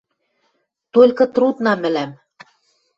Толькы трудна мӹлӓм.